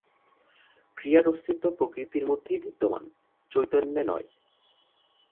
ক্রিয়ার অস্তিত্ব প্রকৃতির মধ্যেই বিদ্যমান, চৈতন্যে নয়।